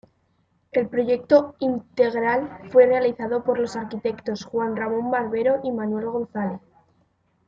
El proyecto integral fue realizado por los arquitectos Juan Ramón Barbero y Manuel González.